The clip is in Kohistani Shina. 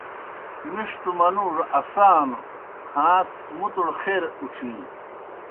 مِݜٹوْ منُوڙوْ اسا نوْ کھاݩس مُتوْڑ خیر اُڇِھی